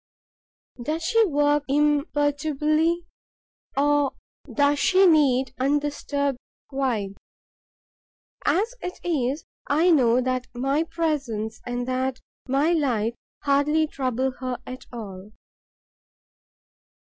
Does she work imperturbably? Or does she need undisturbed quiet? As it is, I know that my presence and that of my light hardly trouble her at all.